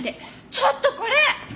ちょっとこれ！